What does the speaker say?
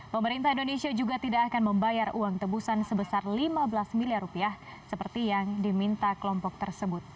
pemerintah indonesia juga tidak akan membayar uang tebusan sebesar lima belas miliar rupiah seperti yang diminta kelompok tersebut